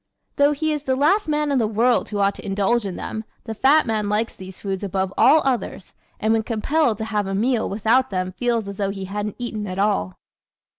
Though he is the last man in the world who ought to indulge in them the fat man likes these foods above all others and when compelled to have a meal without them feels as though he hadn't eaten at all.